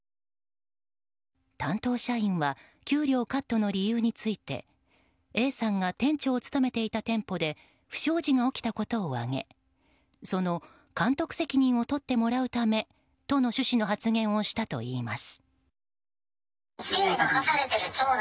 担当社員は給料カットの理由についてＡさんが店長を務めていた店舗で不祥事が起きたことを挙げその監督責任を取ってもらうためとの趣旨の発言をしたといいます。